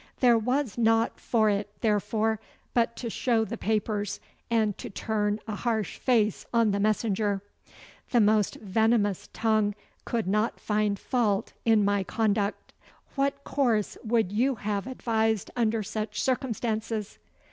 There was naught for it, therefore, but to show the papers and to turn a harsh face on the messenger. The most venomous tongue could not find fault in my conduct. What course would you have advised under such circumstances?